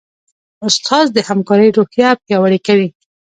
استاد د همکارۍ روحیه پیاوړې کوي.